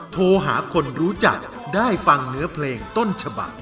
โทรหาคนรู้จักได้ฟังเนื้อเพลงต้นฉบัก